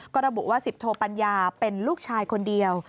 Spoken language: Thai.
ก็ระบุว่า๑๐โทปัญญาเป็นลูกชายคนเดียว